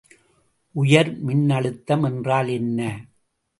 உயர்மின்னழுத்தம் என்றால் என்ன?